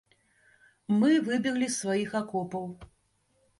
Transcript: Мы выбеглі з сваіх акопаў.